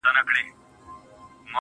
بيا به دا نه وايې چي چا سره خبرې وکړه~